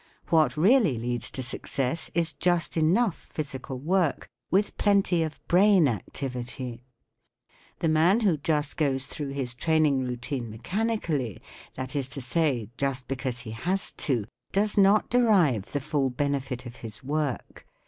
What really leads to success is just enough physical work, with plenty of brain activity* The man who just goes through his training routine mechanic¬ ally, that is to say, just because he has to, does not derive the full benefit of his work.